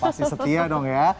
pasti setia dong ya